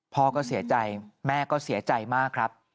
พ่อก็เสียใจแม่ก็เสียใจมากครับ